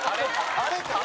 あれか。